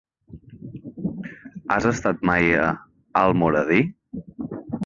Has estat mai a Almoradí?